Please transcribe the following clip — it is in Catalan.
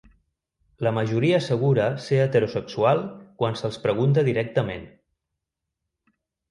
La majoria assegura ser heterosexual quan se'ls pregunta directament.